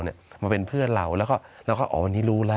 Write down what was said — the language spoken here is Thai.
มาเป็นเพื่อนเราแล้วก็เราก็อ๋อวันนี้รู้แล้ว